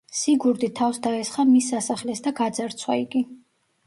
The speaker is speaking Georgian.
სიგურდი თავს დაესხა მის სასახლეს და გაძარცვა იგი.